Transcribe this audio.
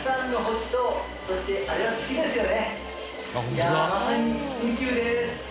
いやまさに宇宙です。